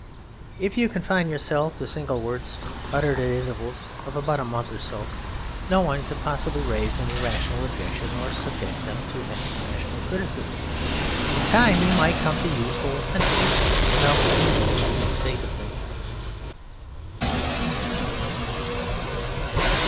If you confined yourself to single words, uttered at intervals of about a month or so, no one could possibly raise any rational objection, or subject them to any rational criticism. In time you might come to use whole sentences without revealing the real state of things.